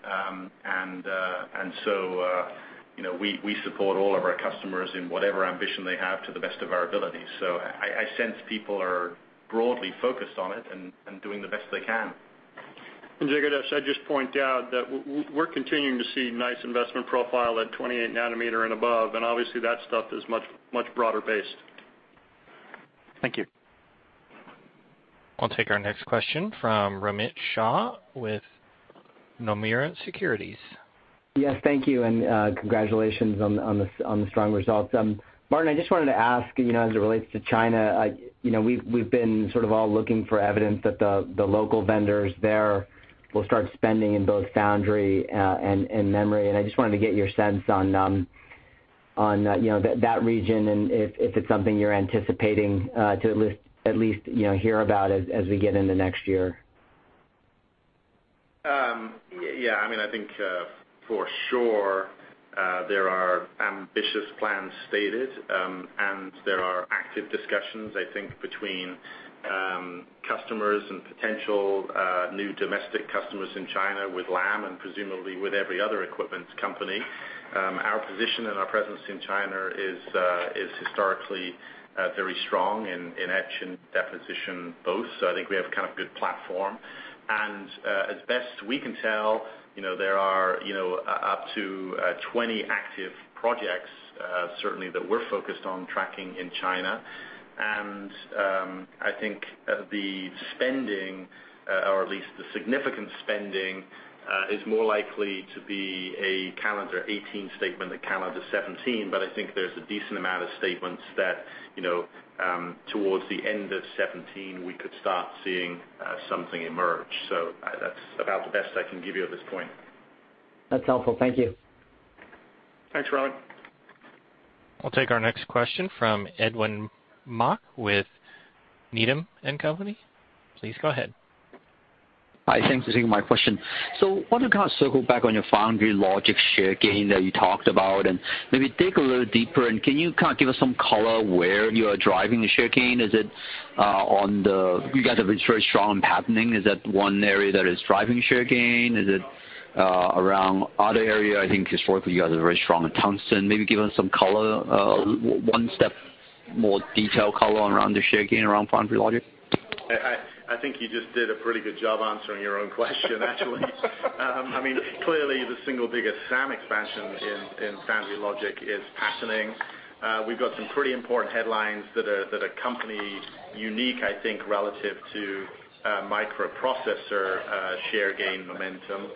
We support all of our customers in whatever ambition they have to the best of our ability. I sense people are broadly focused on it and doing the best they can. Jagadish, I'd just point out that we're continuing to see nice investment profile at 28 nanometer and above, and obviously that stuff is much broader based. Thank you. I'll take our next question from Romit Shah with Nomura Securities. Yes, thank you, and congratulations on the strong results. Martin, I just wanted to ask, as it relates to China, we've been sort of all looking for evidence that the local vendors there will start spending in both foundry and memory, and I just wanted to get your sense on that region and if it's something you're anticipating to at least hear about as we get in the next year. Yeah. I think for sure, there are ambitious plans stated, and there are active discussions, I think, between customers and potential new domestic customers in China with Lam, and presumably with every other equipment company. Our position and our presence in China is historically very strong in etch and deposition both. I think we have kind of good platform. As best we can tell, there are up to 20 active projects certainly that we're focused on tracking in China. I think the spending, or at least the significant spending, is more likely to be a calendar 2018 statement than calendar 2017. I think there's a decent amount of statements that towards the end of 2017, we could start seeing something emerge. That's about the best I can give you at this point. That's helpful. Thank you. Thanks, Romit. I'll take our next question from Edwin Mok with Needham & Company. Please go ahead. Hi, thanks for taking my question. I want to kind of circle back on your foundry logic SAM gain that you talked about, and maybe dig a little deeper, and can you kind of give us some color where you are driving the SAM gain? You guys have a very strong patterning. Is that one area that is driving SAM gain? Is it around other area? I think historically you guys are very strong in tungsten. Maybe give us some one step more detailed color around the SAM gain around foundry logic. I think you just did a pretty good job answering your own question, actually. Clearly the single biggest SAM expansion in foundry logic is patterning. We've got some pretty important headlines that are company unique, I think, relative to microprocessor SAM gain momentum.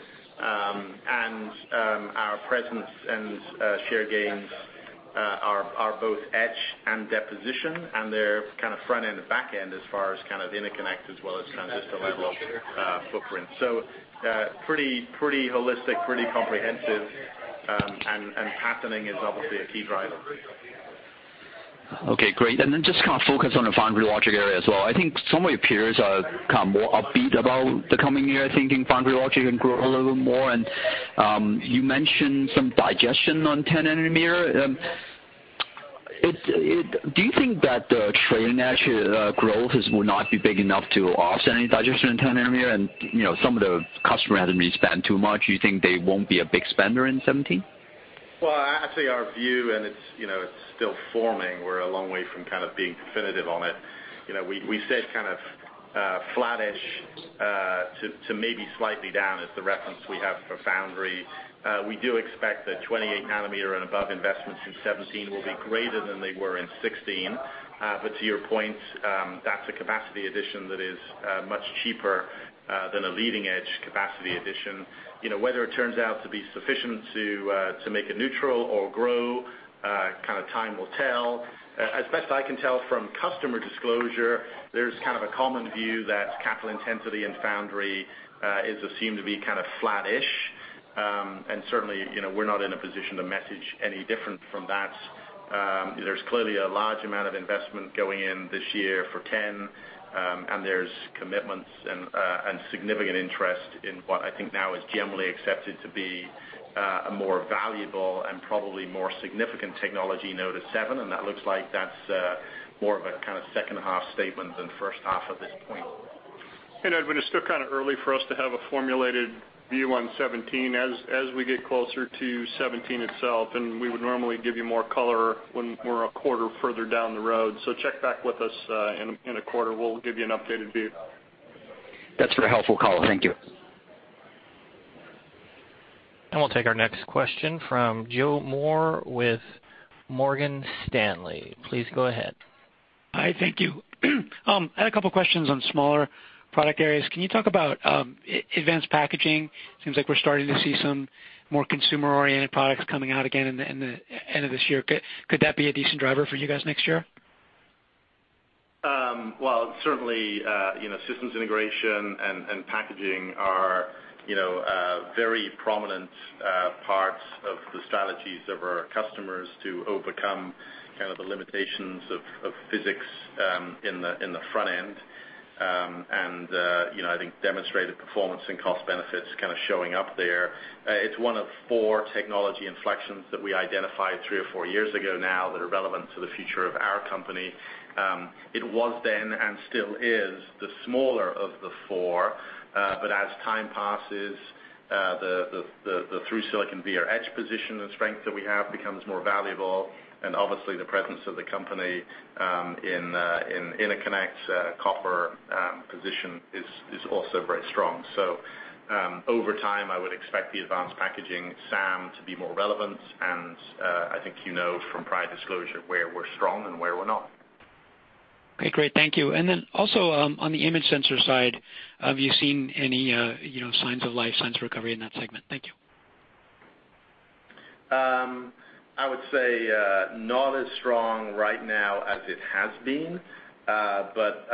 Our presence and SAM gains are both etch and deposition, and they're kind of front end and back end as far as kind of interconnect, as well as transistor level footprint. Pretty holistic, pretty comprehensive, and patterning is obviously a key driver. Okay, great. Just kind of focus on the foundry logic area as well. I think some of your peers are kind of more upbeat about the coming year, thinking foundry logic can grow a little bit more, and you mentioned some digestion on 10 nanometer. Do you think that the trailing edge growth will not be big enough to offset any digestion in 10 nanometer? Some of the customer hasn't really spent too much, you think they won't be a big spender in 2017? Well, actually, our view, it's still forming, we're a long way from kind of being definitive on it. We said kind of flattish to maybe slightly down as the reference we have for foundry. We do expect that 28 nanometer and above investments in 2017 will be greater than they were in 2016. To your point, that's a capacity addition that is much cheaper than a leading edge capacity addition. Whether it turns out to be sufficient to make it neutral or grow, kind of time will tell. As best I can tell from customer disclosure, there's kind of a common view that capital intensity and foundry is assumed to be kind of flattish. Certainly, we're not in a position to message any different from that. There's clearly a large amount of investment going in this year for 10, there's commitments and significant interest in what I think now is generally accepted to be a more valuable and probably more significant technology node at 7, that looks like that's more of a kind of second half statement than first half at this point. Edwin, it's still kind of early for us to have a formulated view on 2017. As we get closer to 2017 itself, we would normally give you more color when we're a quarter further down the road. Check back with us in a quarter, we'll give you an updated view. That's very helpful, color. Thank you. We'll take our next question from Joe Moore with Morgan Stanley. Please go ahead. Hi, thank you. I had a couple questions on smaller Product areas. Can you talk about advanced packaging? Seems like we're starting to see some more consumer-oriented products coming out again in the end of this year. Could that be a decent driver for you guys next year? Well, certainly, systems integration and packaging are very prominent parts of the strategies of our customers to overcome kind of the limitations of physics in the front end. I think demonstrated performance and cost benefits kind of showing up there. It's one of four technology inflections that we identified three or four years ago now that are relevant to the future of our company. It was then and still is the smaller of the four, but as time passes, the through-silicon via edge position and strength that we have becomes more valuable, and obviously, the presence of the company in interconnect copper position is also very strong. Over time, I would expect the advanced packaging SAM to be more relevant and I think you know from prior disclosure where we're strong and where we're not. Okay, great. Thank you. Also, on the image sensor side, have you seen any signs of life, signs of recovery in that segment? Thank you. I would say, not as strong right now as it has been, but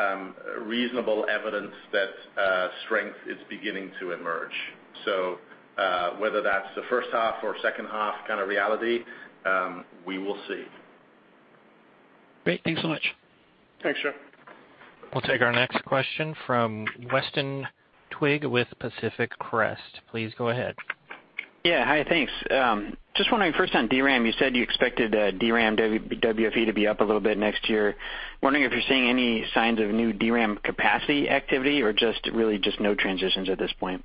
reasonable evidence that strength is beginning to emerge. Whether that's the first half or second half kind of reality, we will see. Great. Thanks so much. Thanks, Joe. We'll take our next question from Weston Twigg with Pacific Crest. Please go ahead. Yeah. Hi, thanks. Just wondering first on DRAM, you said you expected DRAM WFE to be up a little bit next year. Wondering if you're seeing any signs of new DRAM capacity activity or just really just node transitions at this point?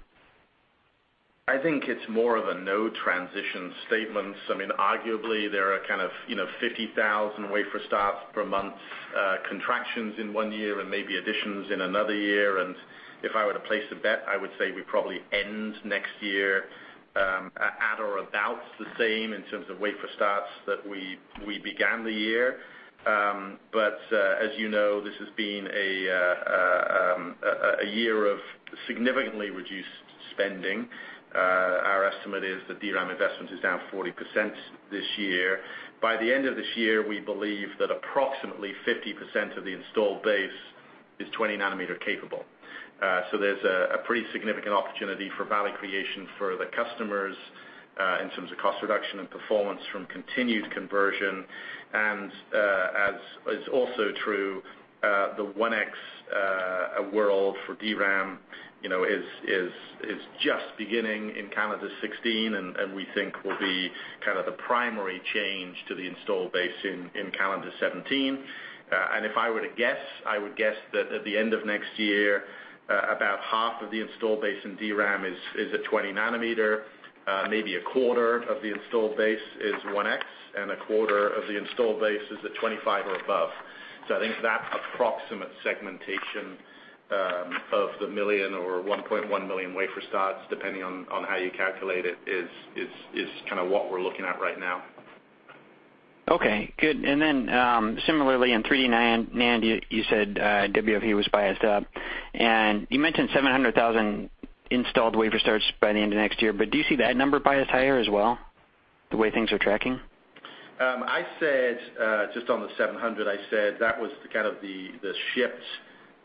I think it's more of a node transition statement. I mean, arguably, there are kind of 50,000 wafer starts per month contractions in one year and maybe additions in another year. If I were to place a bet, I would say we probably end next year at or about the same in terms of wafer starts that we began the year. As you know, this has been a year of significantly reduced spending. Our estimate is that DRAM investment is down 40% this year. By the end of this year, we believe that approximately 50% of the installed base is 20 nanometer capable. There's a pretty significant opportunity for value creation for the customers, in terms of cost reduction and performance from continued conversion. As is also true, the 1X world for DRAM is just beginning in calendar 2016, and we think will be kind of the primary change to the installed base in calendar 2017. If I were to guess, I would guess that at the end of next year, about half of the installed base in DRAM is at 20 nanometer, maybe a quarter of the installed base is 1X, and a quarter of the installed base is at 25 or above. I think that approximate segmentation of the million or 1.1 million wafer starts, depending on how you calculate it, is kind of what we're looking at right now. Okay, good. Similarly, in 3D NAND, you said WFE was biased up, you mentioned 700,000 installed wafer starts by the end of next year, do you see that number biased higher as well, the way things are tracking? Just on the 700, I said that was the kind of the shift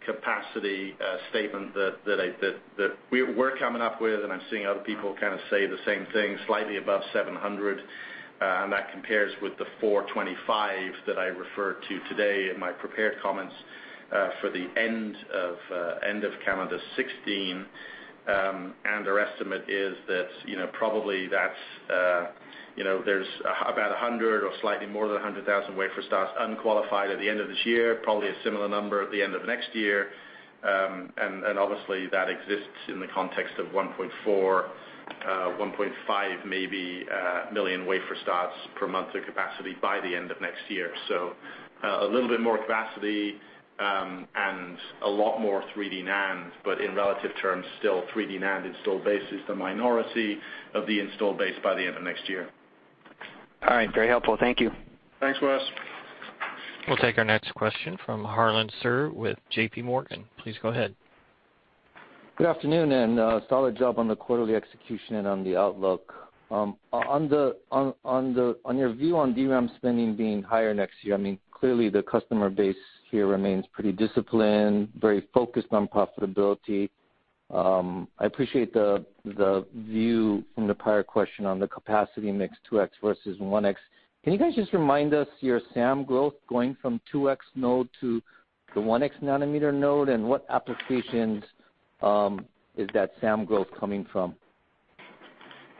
capacity statement that we're coming up with, I'm seeing other people kind of say the same thing, slightly above 700, that compares with the 425 that I referred to today in my prepared comments, for the end of calendar 2016. Our estimate is that probably there's about 100 or slightly more than 100,000 wafer starts unqualified at the end of this year, probably a similar number at the end of next year. Obviously, that exists in the context of 1.4, 1.5 maybe, million wafer starts per month of capacity by the end of next year. A little bit more capacity, a lot more 3D NAND, in relative terms, still 3D NAND installed base is the minority of the installed base by the end of next year. All right. Very helpful. Thank you. Thanks, Wes. We'll take our next question from Harlan Sur with J.P. Morgan. Please go ahead. Good afternoon, solid job on the quarterly execution and on the outlook. On your view on DRAM spending being higher next year, I mean, clearly the customer base here remains pretty disciplined, very focused on profitability. I appreciate the view from the prior question on the capacity mix, 2X versus 1X. Can you guys just remind us your SAM growth going from 2X node to the 1X nanometer node, and what applications is that SAM growth coming from?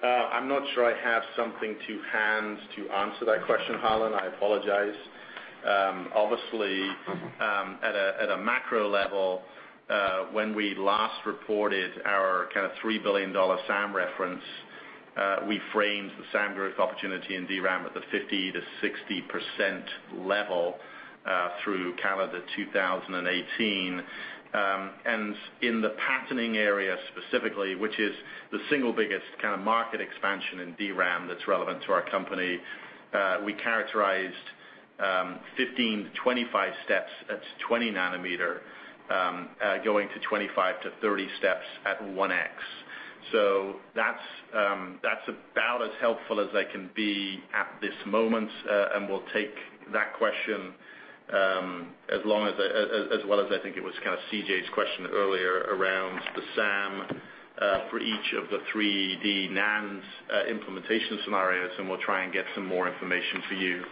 I'm not sure I have something to hand to answer that question, Harlan, I apologize. Obviously, at a macro level, when we last reported our kind of $3 billion SAM reference, we framed the SAM growth opportunity in DRAM at the 50%-60% level, through calendar 2018. In the patterning area specifically, which is the single biggest kind of market expansion in DRAM that's relevant to our company, we characterized 15-25 steps at 20 nanometer, going to 25-30 steps at 1X. That's about as helpful as I can be at this moment, we'll take that question as well as, I think it was kind of CJ's question earlier around the SAM for each of the 3D NAND's implementation scenarios, and we'll try and get some more information for you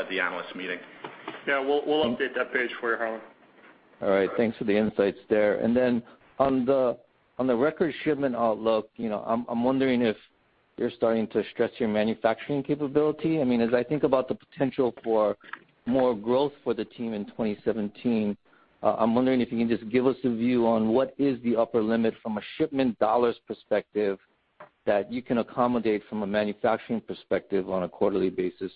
at the analyst meeting. Yeah, we'll update that page for you, Harlan. All right. Thanks for the insights there. On the record shipment outlook, I'm wondering if you're starting to stretch your manufacturing capability. As I think about the potential for more growth for the team in 2017, I'm wondering if you can just give us a view on what is the upper limit from a shipment dollars perspective that you can accommodate from a manufacturing perspective on a quarterly basis.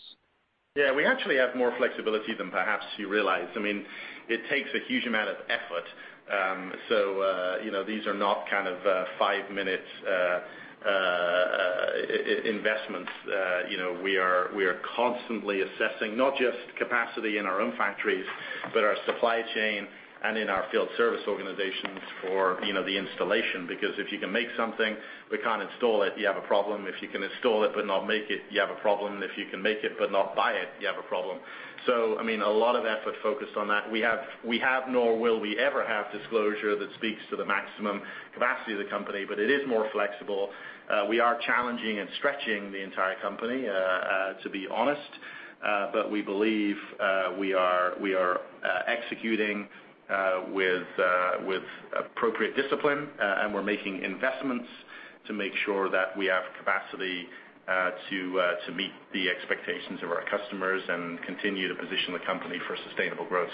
We actually have more flexibility than perhaps you realize. It takes a huge amount of effort. These are not kind of five-minute investments. We are constantly assessing not just capacity in our own factories, but our supply chain and in our field service organizations for the installation. If you can make something, we can't install it, you have a problem. If you can install it but not make it, you have a problem. If you can make it but not buy it, you have a problem. A lot of effort focused on that. We have, nor will we ever have, disclosure that speaks to the maximum capacity of the company. It is more flexible. We are challenging and stretching the entire company, to be honest. We believe we are executing with appropriate discipline, and we're making investments to make sure that we have capacity to meet the expectations of our customers and continue to position the company for sustainable growth.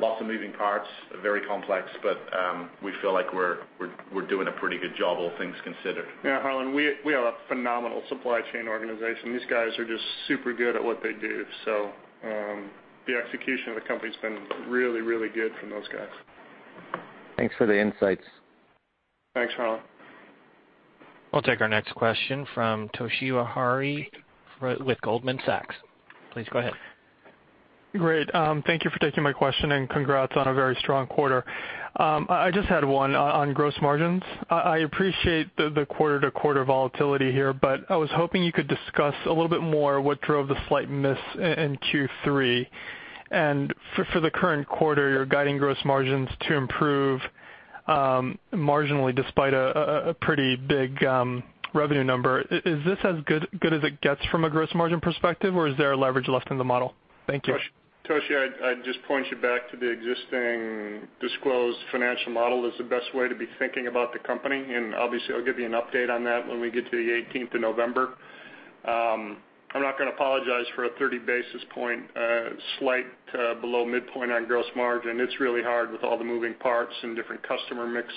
Lots of moving parts, very complex, but we feel like we're doing a pretty good job, all things considered. Harlan, we have a phenomenal supply chain organization. These guys are just super good at what they do. The execution of the company's been really, really good from those guys. Thanks for the insights. Thanks, Harlan. We'll take our next question from Toshiya Hari with Goldman Sachs. Please go ahead. Great. Thank you for taking my question, and congrats on a very strong quarter. I just had one on gross margins. I appreciate the quarter-to-quarter volatility here, but I was hoping you could discuss a little bit more what drove the slight miss in Q3. For the current quarter, you're guiding gross margins to improve marginally despite a pretty big revenue number. Is this as good as it gets from a gross margin perspective, or is there a leverage left in the model? Thank you. Toshiya, I'd just point you back to the existing disclosed financial model as the best way to be thinking about the company, and obviously, I'll give you an update on that when we get to the 18th of November. I'm not going to apologize for a 30-basis point slight below midpoint on gross margin. It's really hard with all the moving parts and different customer mix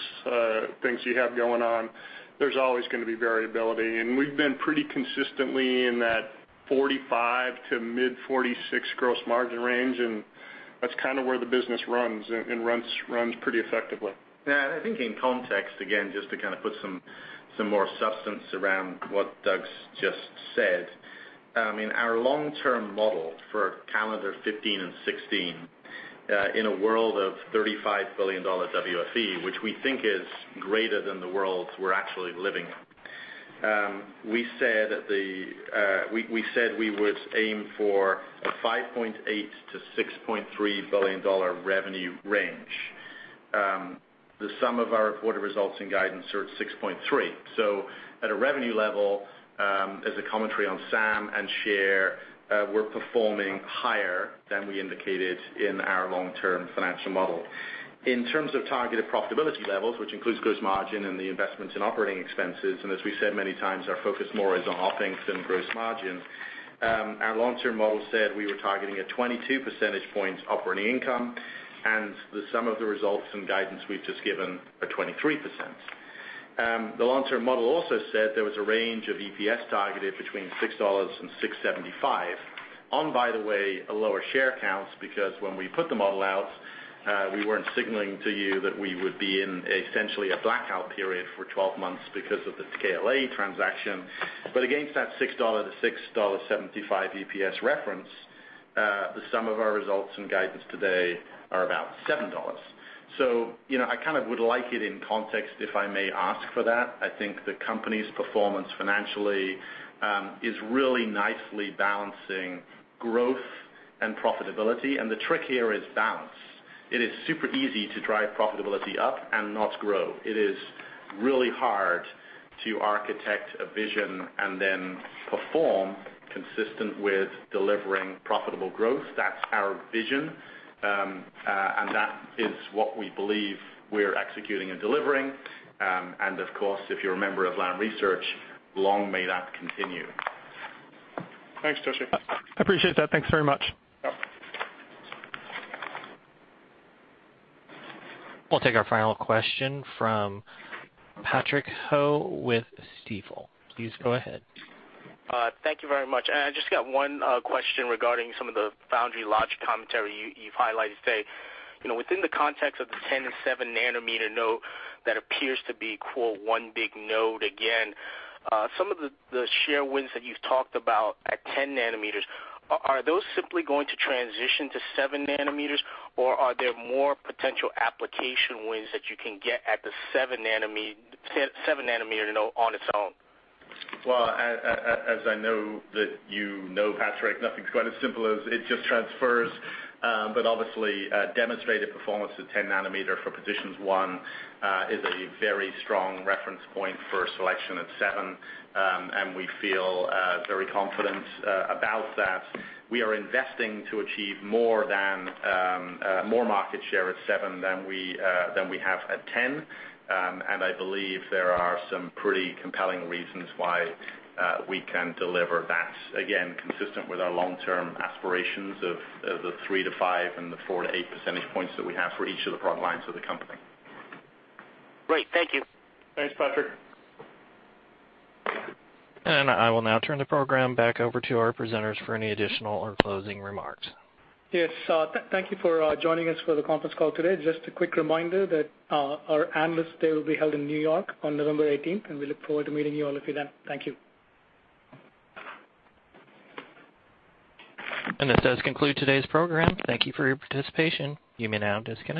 things you have going on. There's always going to be variability, and we've been pretty consistently in that 45 to mid-46 gross margin range, and that's kind of where the business runs, and runs pretty effectively. Yeah, I think in context, again, just to kind of put some more substance around what Doug's just said. In our long-term model for calendar 2015 and 2016, in a world of $35 billion WFE, which we think is greater than the world we're actually living in, we said we would aim for a $5.8 billion-$6.3 billion revenue range. The sum of our reported results and guidance are at $6.3 billion. At a revenue level, as a commentary on SAM and share, we're performing higher than we indicated in our long-term financial model. In terms of targeted profitability levels, which includes gross margin and the investments in operating expenses, and as we've said many times, our focus more is on OPEX than gross margin. Our long-term model said we were targeting a 22 percentage points operating income, and the sum of the results and guidance we've just given are 23%. The long-term model also said there was a range of EPS targeted between $6 and $6.75 on, by the way, a lower share count, because when we put the model out, we weren't signaling to you that we would be in essentially a blackout period for 12 months because of the KLA transaction. Against that $6-$6.75 EPS reference, the sum of our results and guidance today are about $7. I kind of would like it in context, if I may ask for that. I think the company's performance financially is really nicely balancing growth and profitability, and the trick here is balance. It is super easy to drive profitability up and not grow. It is really hard to architect a vision and then perform consistent with delivering profitable growth. That's our vision, and that is what we believe we're executing and delivering. Of course, if you're a member of Lam Research, long may that continue. Thanks, Toshiya. Appreciate that. Thanks very much. Yep. We'll take our final question from Patrick Ho with Stifel. Please go ahead. Thank you very much. I just got one question regarding some of the foundry logic commentary you've highlighted today. Within the context of the 10 and seven nanometer node that appears to be, quote, "One big node again," some of the share wins that you've talked about at 10 nanometers, are those simply going to transition to seven nanometers, or are there more potential application wins that you can get at the seven nanometer node on its own? Well, as I know that you know, Patrick, nothing's quite as simple as it just transfers. Obviously, demonstrated performance at 10 nanometer for positions one is a very strong reference point for selection at seven, and we feel very confident about that. We are investing to achieve more market share at seven than we have at 10, and I believe there are some pretty compelling reasons why we can deliver that. Again, consistent with our long-term aspirations of the three to five and the four to eight percentage points that we have for each of the product lines of the company. Great. Thank you. Thanks, Patrick. I will now turn the program back over to our presenters for any additional or closing remarks. Yes. Thank you for joining us for the conference call today. Just a quick reminder that our Analyst Day will be held in New York on November 18th, and we look forward to meeting you all if you're there. Thank you. This does conclude today's program. Thank you for your participation. You may now disconnect.